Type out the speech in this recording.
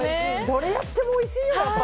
どれやってもおいしいよ！